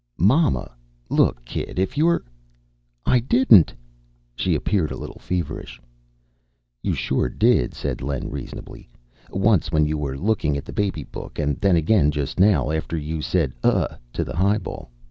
"Mama. Look, kid, if you're " "I didn't." She appeared a little feverish. "Sure you did," said Len reasonably. "Once when you were looking at the baby book, and then again just now, after you said ugh to the highball.